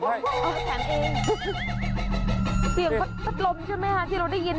เสียงภรรมใช่มั้ยที่เราได้ยินอ่ะ